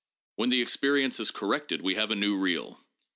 "When the experience is corrected we have a new real.